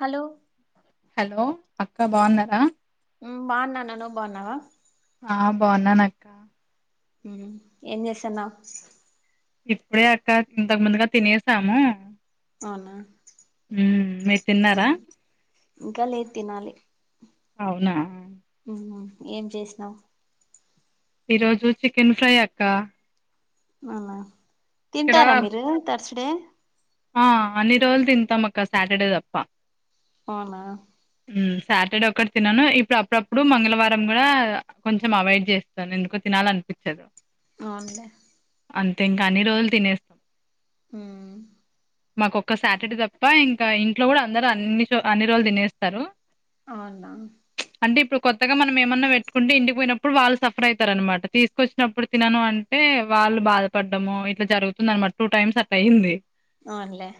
Hello hello అక్క బాగున్నారా నేను బాగున్నా నువ్వు బాగున్నావా ఆ బాగున్నాను అక్క హ్ ఏం చేస్తున్నావ్ ఇప్పుడే అక్క ఇంతకు ముందుగా తినేసాము అవునా ఉ మీరు తిన్నారా ఇంకా లేదు తినాలి అవునా ఏం చేసినావు ఈరోజు చికెన్ ఫ్రై అక్క అవునా ఇక్కడ తింటారా మీరు థర్స్ డే ఆ అన్ని రోజులు తింటాం అక్క సాటర్డే తప్ప అవునా ఉమ్ సాటర్డే ఒక్కటి తినను ఇప్పుడు అప్పుడప్పుడు మంగళవారం కూడా కొంచెం అవాయిడ్ చేస్తాను ఎందుకు తినాలనిపించాదు అవునలేే అంతే ఇంకా అన్ని రోజులు తినేస్తాం హ మాకొక్క సాటర్డే తప్ప ఇంకా ఇంట్లో కూడా అందరు అన్ని అన్ని రోజులు తినేస్తారు అవునా అంటే ఇప్పుడు కొత్తగా మనం ఏమన్నా పెట్టుకుంటే ఇంటికి పోయినప్పుడు వాళ్ళు సఫర్ అవుతారు అనమాట తీసుకొచ్చినప్పుడు తినను అంటే వాళ్ళు బాధపడ్డము ఇట్లా జరుగుతుంది అనమాట టూ టైమ్స్ అట్ల అయ్యింది అవునులే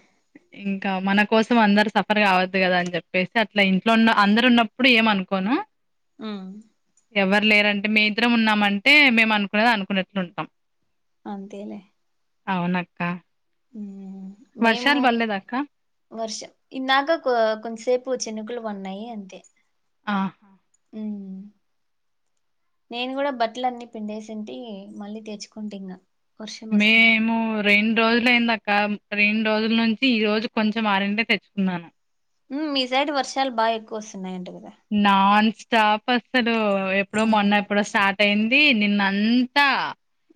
ఇంకా మన కోసం అందరు సఫర్ కావద్దు కదా అని చెప్పేసి అట్లా ఇంట్లో ఉన్న అందరు ఉన్నప్పుడు ఏమనుకోను ఆ ఎవరు లేరంటే మే ఇద్దరం ఉన్నామంటే మేము అనుకునేది అనుకున్నట్లు ఉంటాం అంతేలే అవునక్క వర్షాలు మేము పడలేదక్క వర్షం ఇందాక కొంతసేపు చినుకులు ఉన్నాయి అంతే ఆ అ నేను కూడా బట్టలు అన్ని పిండేసింటి మళ్ళీ తెచ్చుకుంటి మేము రెండు రోజులయిందక్క రెండు రోజుల నుంచి ఈ రోజు కొంచెం ఆరింటే తెచ్చుకున్నాను మీ సైడ్ వర్షాలు బాగా ఎక్కువ వస్తున్నాయి నాన్ స్టాప్ అసలు ఎప్పుడో ఉమ్ మొన్న ఎప్పుడో స్టార్ట్ అయింది నిన్నంతా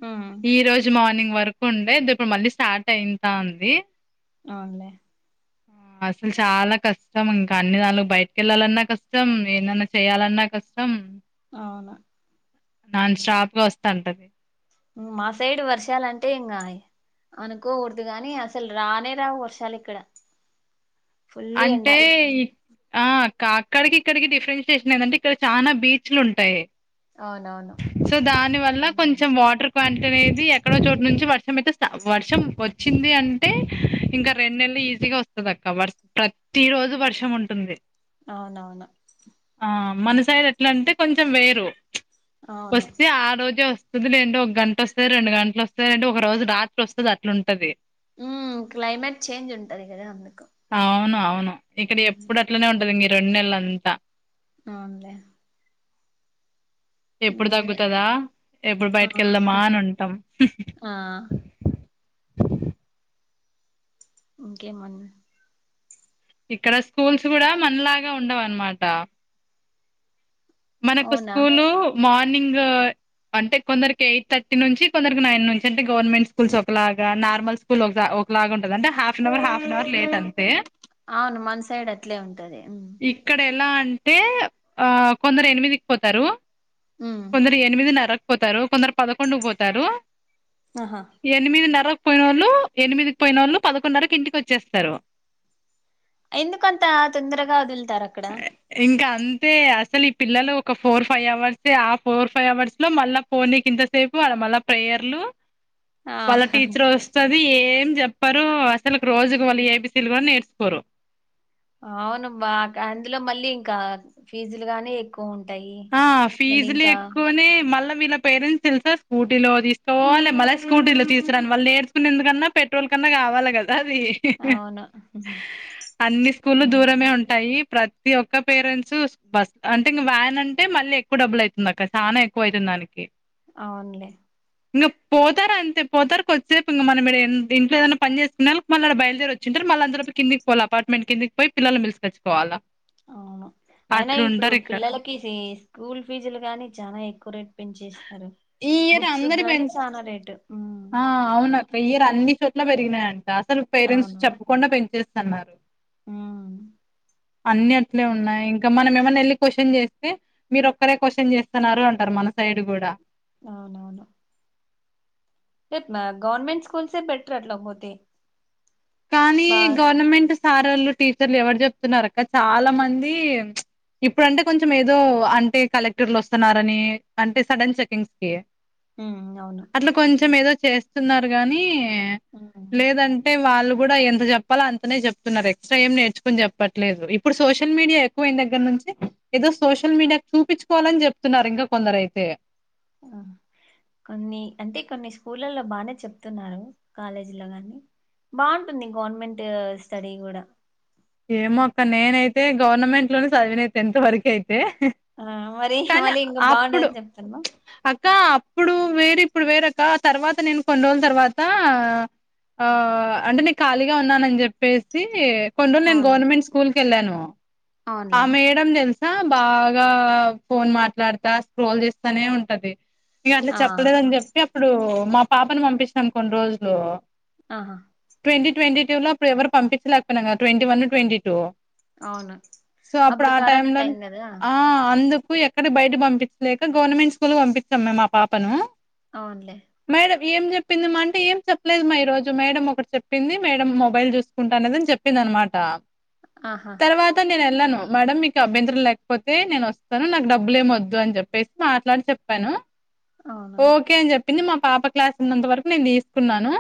ఉమ్, ఈ రోజు మార్నింగ్ వర కుండే ఇది ఇప్పుడు మళ్ళీ స్టార్ట్ అయింతా ఉంది అవునులే అసలు చాలా కష్టం ఇంకా అన్ని విధాలుగా బయటకిళ్లాలన్నా కష్టం ఏమన్నా చేయ్యాలన్నా కష్టం మ్ అవును నాన్ స్టాప్ గా వస్తాంటది మా సైడ్ వర్షాలుంటే ఇంకా అనుకోకూడదు గాని అసలు రానే రావు వర్షాలు ఇక్కడ ఫుల్ ఎండ అంటే ఇప్- ఆ అక్కడికి ఇక్కడికి డిఫరెన్షియేషన్ ఏందంటే ఇక్కడ చాలా బీచ్లు ఉంటాయి అవునవును సో దాని వల్ల ఉమ్, కొంచెం వాటర్ కంటు అనేది ఎక్కడో చోటు నుంచి వర్షం అయితే వర్షం వచ్చింది అంటే ఇంకా రెండు నెల ఈజీగా వస్తుంది అక్క వర్ ప్రతి రోజు వర్షం ఉంటుంది అవునవును ఆ మన సైడ్ ఎట్లాంటే కొంచెం వేరు అవును వస్తే ఆ రోజే వస్త వస్తది లేదంటే ఒక గంట వస్తయి రెండు గంటలు వస్తాది లేదంటే ఒక రోజు రాత్రి వస్తది అట్లా ఉంటది ఉ క్లైమేట్ చేంజ్ ఉంటది కదా అందుకు అవును అవును ఇక్కడ ఉమ్, ఎప్పుడు అట్లనే ఉంటది ఈ రెండు నెలలు అంతా అవునులే ఎప్పుడు ఇంగే తగ్గుతదా ఎప్పుడు ఆ బయటికి వెళ్దామా అని ఉంటాం ఆ ఇంకే మన ఇక్కడ స్కూల్స్ కూడా మనలాగా ఉండవు అన్నమాట మనకు అవునా స్కూలు మార్నింగ్ అంటే కొందరికి ఎయిట్ థర్టీ నుంచి కొందరికి నైన్ నుంచి అంటే గవర్నమెంట్ స్కూల్స్ ఒకలాగా నార్మల్ స్కూల్ ఒక ఒకలాగా ఉంటది అంటే హాఫ్ నవర్ ఆఫనవర్ లేట్ అంతే అవును మన సైడ్ అట్లే ఉంటది లా అంటే కొందరు ఎనిమిది పోతారు ఉమ్ కొందరు ఎనిమినరా పోతారు కొందరు పదకొండు పోతారు ఆహా ఎనిమిదిన్నర పోయినోళ్ళు ఎనిమిదికి పోయినోళ్ళు పదకొండున్నరకు ఇంటికి వచ్చేస్తారు ఎందుకు అంత తొందరగా వదులుతారు అక్కడ ఇంకా అంతే అసలు ఈ పిల్లలు ఒక ఫోర్ ఫైవ్ అవర్స్ ఆ ఫోర్ ఫైవ్ అవర్స్ లో మళ్ళ ఫోనీ కింత సేపు ఆడ మళ్ళ ప్రేయర్లు ఆ వాళ్ళ టీచర్ వస్త అది ఏం చెప్పారు అసలు రోజుకు వాళ్ళు ఏబి సీలు కూడా నేర్చుకోరు అవును బా అందులో మళ్ళీ ఇంకా ఫీజులు గానీ ఎక్కు ఆ ఫీజులు ఎక్కువనే మళ్ళా వీళ్ళ పేరెంట్స్ తెలుసా స్కూటీలో తీసుకపోవాలే మళ్ళ స్కూటీలో తీసుకురాను వాళ్ళు నేర్చకునేందుకన్నా పెట్రోల్ న్నా కావాలి కదా అది అవును అన్ని స్కూలు దూరమే ఉమ్, ఉంటాయి ప్రతి తి ఒక్క పేరెంట్స్ బస్ అంటే ఇంగ వ్యాన్ అంటే టె మళ్ళీ ఎక్కువ డబ్బులు అయితుంది అక్క సానా ఎక్కువ అయితుంది దానికి అవునులే ఇంగ పోతారు అంతే పోతారు కొద్ది సేపు ఇంక మనం ఇంట్లో ఏదనా పని చేసుకునే వాలాకు మళ అడ బయలుదేరీ వచ్చింటారు మళ్ళ అంత లోపల కిందికి పోలా అపార్ట్మెంట్ కిందికి పోయి పిల్లలని పిలుసుకచ్చుకోల అవును అయినా ఇప్పుడు ఇక్కడ పిల్లలకి స్కూల్ ఫీజులు గాని చనా ఎక్కువ రేట్ పెంచేస్తారు ఈ ఇయర్ బుక్స్ అందరి గాని పెంచ్ చాలా రేటు ఉమ్, ఆ అవునక్క ఇయర్ అన్ని చోట్ల పెరిగినాయంట అసలు పేరెంట్స్ అవునవును చెప్పకుండా పెంచేస్త ఉమ్, అన్ని అట్లే ఏ- ఉన్నాయి ఇంకా మనమే మని వెళ్ళి క్వశ్చన్ చేస్తే మీరు ఒక్కరే క్వశ్చన్ చేస్తున్నారు అంటారు మన సైడ్ కూడా అవునవును రేపు గవర్నమెంట్ స్కూల్సే బెటర్ అట్లా పోతే కానీ బా గవర్నమెంట్ సారోల్లు టీచర్లు ఎవరు చెప్తున్నారు అక్క చాలా మంది ఇప్పుడు అంటే కొంచెం ఏదో అంటే కలెక్టర్లు వస్తున్నారని అంటే సడన్ చెకింగ్స్ కి ఉమ్, అవును అట్లా కొంచెం ఏదో చేస్తున్నారు గానీ ఉమ్, లేదంటే వాళ్ళు కూడా ఎంత చెప్పలో అంతనే చెప్తున్నారు ఎక్స్ట్రా ఏం నేర్చుకుని చెప్పట్లేదు ఇప్పుడు సోషల్ మీడియా ఎక్కువన దగ్గర నుంచి ఏదో సోషల్ మీడియా చూపించుకోవాలని చెప్తున్నారు ఇంకా కొందర రైతే ఆ కొన్ని అంటే కొన్ని స్కూలలో బానే చెప్తున్నారు కాలేజీ లో గాని బాగుంటుంది గవర్నమెంట్ స్టడీ కూడా ఏమోక్క నేనైతే గవర్నమెంట్ లోని చదివిన టెన్త్ వరకయితే ఆ మరి మళ్ళీ ఇంకా బాగుండదని చెప్తున్నావు కా అప్పుడు వేరు ఇప్పుడు వేరక్క తర్వాత నేను కొన్ని రోజుల తర్వాత ఆ అంటే నేను ఖాళీగా ఉన్నానని చెప్పేసి కొన్ని రోలు నేను అవును గవర్నమెంట్ స్కూల్ కి వెళ్ళాను ఆ అవునులే మేడం తెలుసా బాగా ఫోన్ మాట్లాడతా స్క్రోల్ చేస్తానే ఉంటది ఇగ అట్లా ఆ చెప్పలేదని చెప్పి అప్పుడు మా పాపను పంపిచ్చినాం కొన్ని రోజులు ఆహా ట్వంటీ ట్వంటీ టూ లో అప్పుడు ఎవరు పంపించలేకపోయినా ట్వంటీ వన్ ట్వంటీ టూ అవును సో అప్పుడు ఆ టైమ్ కరోనా లో టైం కదా ఆ అందుకు ఎక్ కానీ బయట పంపించలేక గవర్నమెంట్ స్కూల్ పంపిత్తాం మేము మా పాపను అవునులే మేడం ఏం చెప్పింది మా అంటే ఏం చెప్పలేదు మా ఈ రోజు మేడం ఒకటి చెప్పింది మేడం మొబైల్ చూసుకుంటా అనేది అని చెప్పింది అన్మాటా ఆహా నేను వెళ్ళాను మేడమ్ మీకు అభ్యంతరం లేకపోతే నేను వస్తాను నాకు డబ్బులు ఏం వద్దు అని చెప్పేసి మాట్లాడి చెప్పాను. అవునా ఓకే అని చెప్పింది మా పాప క్లాస్ ఉన్నంత వరకు నేను తీసుకున్నాను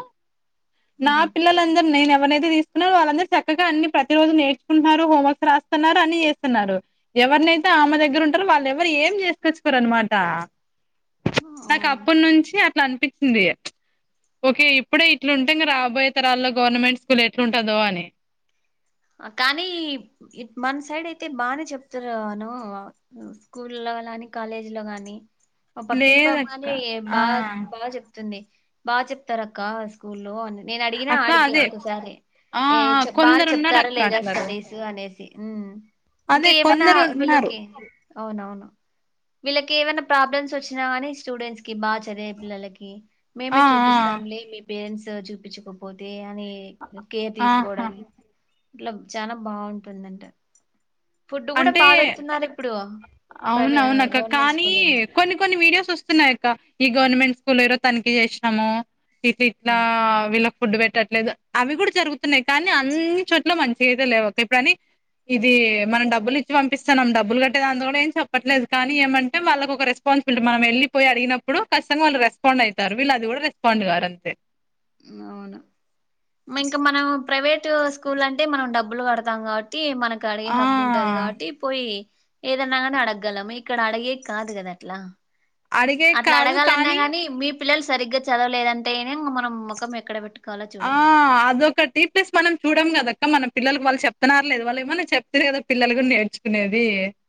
నా ఉహు పిల్లలందరు నేనే ఎవనైతే తీసుకున్నో వాళ్ళందరూ చక్కగా అన్నీ ప్రతిరోజు నేర్చుకుంటున్నారు హోంవర్క్ రాసు స్తున్నారు అన్ని చేస్తున్నారు ఎవరినైతే ఆమె దగ్గర ఉంటారో వాళ్ళు ఎవరు ఏం చేసుకొచ్చుకోరు అన్మాట నాకు అవును అప్పడి నుంచి అట్లా అనిపిచ్చింది ప్చ్ ఓకే ఇప్పుడే ఇట్లుంటే ఇంగ రాబోయే తరాల్లో గవర్నమెంట్ స్కూల్ ఎట్లుంటందో అని కానీ మన సైడ్ అయితే బానే చెప్తురు అను స్కూల్ లో అలాని కాలేజీ లో గాని మా పక్కింటి పాప లేదక్క గాని ఆ బా బాగా చెప్తుంది బాగా చెప్తారు అక్క స్కూల్లో అని నేను అడిగినా అక్క ఆడికి అదే ఒకసారి ఆ ఏ ఆ చెప్ బాగా చెప్ కొందరున్నారు అక్క లేదా అట్లరు స్టడీస్ అనేసి ఉమ్ ఇంకా అదే ఏమైనా కొందరు ఉన్నారు వీళ్ళకి అవును అవును వీళ్ళకి ఏమైనా ప్రాబ్లమ్స్ వచ్చినా కానీ స్టూడెంట్స్ కి బాగా చదివే పిల్లలకి ఆ మేమే ఆ చూపిస్తాంలే మీ పేరెంట్స్ చూపిచ్చకపోతే అనీ కేర్ ఆహా తీసుకోవడం ఇట్లా చానా బాగుంటుంది అంట ఫుడ్ కూడా బాగా పెడుతున్నారు ఇప్పుడు అవును ప్రైవే అవును అక్క గవర్నమెంట్ కానీ స్కూల్ల్లో కొన్ని కొన్ని వీడియోస్ వస్తున్నాయిక్క ఈ గవర్నమెంట్ స్కూల్లో ఏదో తనిఖీ చేసినాము ఇట్ ఇట్లా వీళ్ళక్ ఫుడ్ పెట్టట్లేదు అవి కూడా జరుగుతున్నాయి కానీ అన్నీ చోట్ల మంచిగైతే లేవు అక్క ఇప్పుడు అని ఇది మనం డబ్బులు ఇచ్చి పంపిస్తానం డబ్బులు కట్ టి దాంతోడు ఏం చెప్పట్లేదు కానీ ఏమంటే వాళ్ళకు ఒక రెస్పాన్సిబిలిటీ, మనం వెళ్లిపోయి అడిగినప్పుడు ఖచ్చితంగా వాళ్ళు రెస్పాన్స్ నైతారు వీళ్ళు అది కూడా రెస్పాండ్ గారు అంతే అవును ఇంకా మనం ప్రైవేట్ స్కూల్ అంటే మనం డబ్బులు కడతాం కావ ట్టి మనకు అడిగే హక్కు ఉంటది ఆ కాబట్టి పోయి ఏదన్నాగానీ అడగ్గలము ఇక్కడ అడిగేకి కాదు కదా అట్లా అడిగే అట్లా కాదు అడగాలన్నా కానీ మీ పిల్లలు సరిగ్గా చదవలేదంటేనే మనం ముఖం ఎక్కడ పెట్టుకుం ఆ అదొకటీ ప్లస్ మనం చూడం కదా అ క్క మన పిల్లలకు వాళ్ళు చెప్తన్నారా లేదా వాళ్ళు ఏమైనా చెప్తేనే కదా పిల్లలు కూడా నేర్చుకునే ది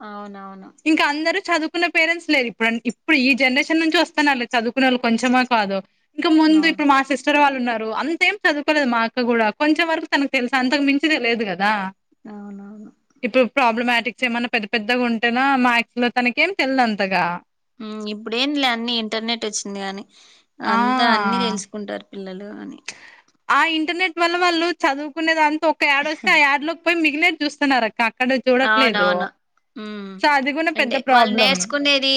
అవునవును ఇంకా అందరూ చదువు కున్న పేరెంట్స్ లేరు ఇప్పుడ్ ఇప్పుడు ఈ జనరేషన్ నుంచి వస్తన్నారులే చదువుకునేళ్ళు కొంచెమా కాదో ఇంకా ముందు అవును ఇప్పుడు మా సిస్టర్ వాళ్ళు ఉన్నారు అం సేమ్ చదువుకోలేదు మా అక్క కూడా కొంచం వరకు తనకు తెలుసు అంతకు మించి తెలియదు కదా అవునవును ఇప్పుడు ప్రాబ్లమ్ టిక్స్ ఏమైన్నా పెద్ద పెద్దగా ఉంటేనా మాథ్స్ లో తనకేం తెల్దుంతగా ఉమ్ ఇప్పుడేం లే అన్ని ఇంటర్నెట్ వచ్చింది కాగాని ఆ అంతా అన్ని తెలుసుకుంటా పిల్లలు అని ఆ ఇంటర్నెట్ వల్ల వాళ్ళు చదువుకునే దాంతా ఒక యాడ వస్తే ఆ యాడ్ లోకి పోయి మిగిలేది చూస్తున్నారు అక్క అక్కడ చూడట్లేదు ఉ సో అది కూడా పెద్ద అంటే వాళ్ళు ప్రాబ్లం నేర్చుకునేది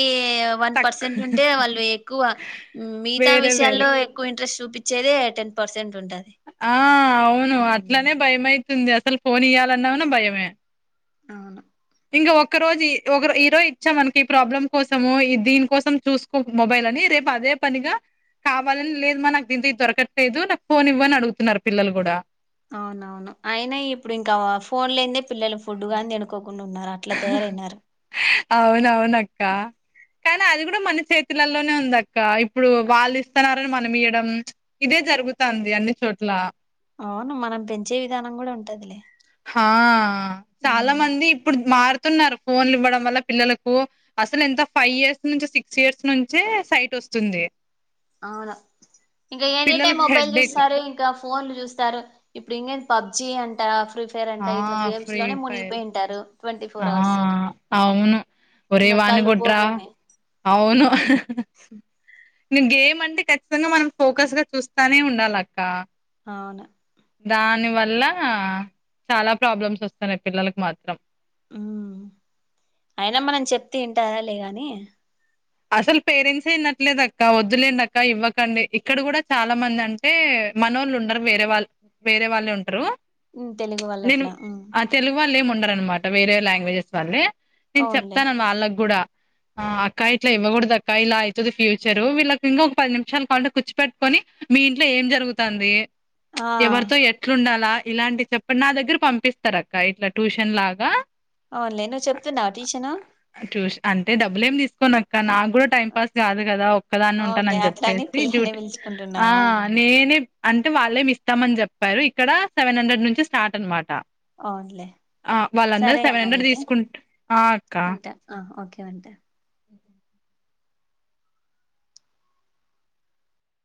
వన్ తక్ పర్సెంట్ ఉంటే వాళ్ళు ఎక్కువ మిగతా వేరే వేరే విషయాల్లో ఎక్కువ ఇంట్రెస్ట్ చూపించేదే టెన్ పర్సెంట్ ఉంటది ఆ అవును మ్ అట్లనే భయమయితుంది అసలు ఫోన్ ఇయ్యాలన్నాన భయమే అవును ఇంక ఒక్క రోజు ఒక ఈరోజు ఇచ్చాం మనకి ఈ ప్రాబ్లం కోసము ఈ దీని కోసం చూసుకో మొబైల్ అని పదే పనిగా కావాలని లేదు మా నాకు దీంతో ఇది దొరకట్లేదు నాకు ఫోన్ ఇవ్వు అని అడుగుతున్నారు పిల్లలు కూడా అవునవును అయినా ఇప్పుడు ఇంకా ఫోన్ లే పిల్లలు ఫుడ్గా తినుకోకుండా ఉన్నారు అట్లా తయారయినారు అవునవునక్క కానీ అది కూడా మన చేతులలోనే ఉంది అక్క ఇప్పుడు వాళ్ళు ఇస్తున్నారని మనం ఇయ్వడం ఇదే జరు గుతంది అన్ని చోట్ల అవును మనం పెంచే విధానం కూడా ఉంటదిలే ఆ చాలా ఉమ్. మంది ఇప్పుడు మారు తున్నారు ఫోన్లు ఇవ్వడం వల్ల పిల్లలకు అసలు ఎంత ఫైవ్ ఇయర్స్ నుంచి సిక్స్ ఇయర్స్ నుంచే సైట్ వ స్తుంది అవును ఇంకా ఎనీ టైమ్ పిల్లలకి మొబైల్ హెడ్డేక్ చూస్తారు ఇంకా ఫోన్లు చూస్తారు ఇప్పుడు ఇంకే పబ్జి అంటార ఫ్రీ ఫైర్ అంట ఆ ఇట్లా గేమ్స్ ఫ్రీ లోనే ఫైర్ మునిగిపోయింటారు ట్వంటీ ఆ ఫోర్ అవర్స్ అవును ఒరే ఇగ వాన్ని కళ్ళు కొట్రా పోగే మే అవును ఇ గేమ్ అంటే ఖచ్చితంగా మనం ఫోకస్ గా చూస్తానే ఉండాలక్క అవును దాని వల్ల చాలా ప్రాబ్లమ్స్ వస్తున్నాయి పిల్లలకు మాత్రం ఉమ్ అయినా మనం చెప్తే వింటాలే గాని అసలు పేరెంట్స్ వినట్లేదక్క వద్దులేండక్క ఇవ్వకండి ఇక్కడ కూడా చాలా మంది అంటే మనోళ్ళు ఉండరు వేరే వాళ్ళు వేరే వాళ్ళు ఉంటారు ఉమ్, తెలుగు వాళ్ళు నేను అట్లా ఉమ్. ఆ తెలుగు వాళ్ళు ఏమ ఉన్నారన్నమాట వేరే లాంగ్వేజెస్ వాళ్ళ నేను అవునులే చెప్తాన వాళ్ళ కూడా అ ఇట్ల ఇవకూడదక్క ఇలా అవుతది ఫ్యూచర్ వీళ్ళకి ఇంకా ఒక పది నిమిషాలు పాటు కూర్చిపట్టుకొని మీ ఇంట్లో ఏం జరు గుతుంది ఆ ఎవరితో ఎట్లుండాలా ఇలాంటి చెప్పండి నా దగ్గర పంపిస్తారు అక్క ఇట్లా ట్యూషన్ లాగా అవునులే నువ్వు చెప్తున్నావ ట్యూషను ట్యూ అంటే డబ్బులు ఏం తీసుకోనక్క నాకు కూడా టైం పాస్ కాదు కదా ఒక్కదాన్ని అవునులే ఉంటానని అట్లాని చెప్పేసి పిల్లల్ని డ్యూటీ ఆ పిలుచుకుంటున్నావా నేనే అంటే వాళ్ళేమి ఇస్తామని చెప్పారు ఇక్కడ సెవెన్ హండ్రెడ్ నుంచి స్టార్ట్ అనమాట అవునులే ఆ వాళ్ళందరు సరే సెవెన్ అను హండ్రెడ్ అయితే తీసుకుంట ఆ అక్క అ ఉంటా ఆ ఓకే ఉంటా